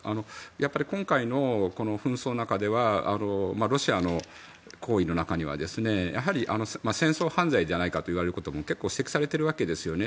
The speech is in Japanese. やっぱり、今回の紛争の中ではロシアの行為の中には戦争犯罪じゃないかといわれることも結構指摘されているわけですよね。